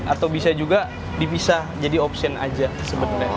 atau bisa juga dipisah jadi option aja sebenarnya